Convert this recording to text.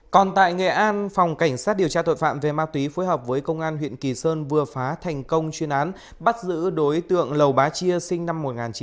còn tại nghệ an phòng cảnh sát điều tra tội phạm về ma túy phối hợp với công an huyện kỳ sơn vừa phá thành công chuyên án bắt giữ đối tượng lầu bá chia sinh năm một nghìn chín trăm tám mươi